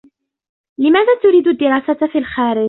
لماذا تريد الدراسة في الخارج؟